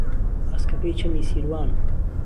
ئاسکهکهی چهمی سیروانه